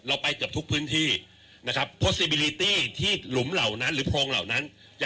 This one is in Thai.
เราไปเกือบทุกพื้นที่นะครับที่หลุมเหล่านั้นหรือโพงเหล่านั้นจะ